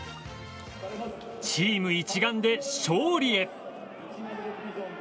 チーム一丸で勝利へ。